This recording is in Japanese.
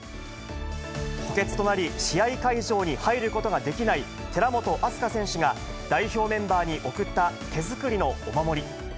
補欠となり、試合会場に入ることができない寺本明日香選手が、代表メンバーに贈った手作りのお守り。